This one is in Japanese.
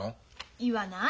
言わない。